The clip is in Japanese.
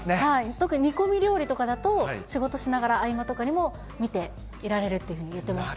特に煮込み料理とかだと、仕事しながら、合間とかにも見ていられるというふうに言っていました。